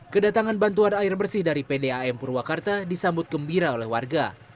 kedatangan bantuan air bersih dari pdam purwakarta disambut gembira oleh warga